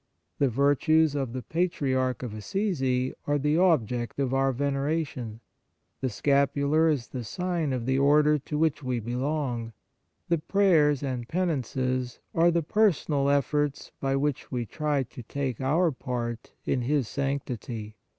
The virtues of the Patriarch of Assisi are the object of our veneration ; the scapular is the sign of the Order to which we belong ; the prayers and penances are the personal efforts by 53 On the Exercises of Piety which we try to take our part in his sanctity.